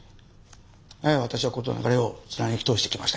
ええ私は事なかれを貫き通してきましたよ。